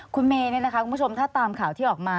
คุณเมย์นะชมถ้าตามข่าวที่ออกมา